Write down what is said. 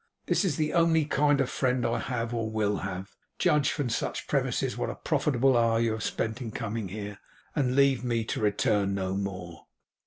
This is the only kind of friend I have or will have. Judge from such premises what a profitable hour you have spent in coming here, and leave me, to return no more.